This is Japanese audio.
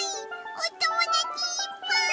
おともだちいっぱい！